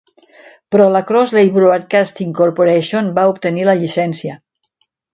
Però la Crosley Broadcasting Corporation va obtenir la llicència.